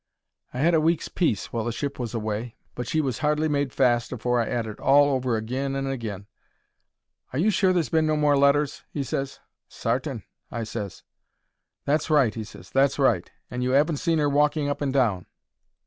I had a week's peace while the ship was away, but she was hardly made fast afore I 'ad it all over agin and agin. "Are you sure there's been no more letters?" he ses. "Sartain," I ses. "That's right," he ses; "that's right. And you 'aven't seen her walking up and down?"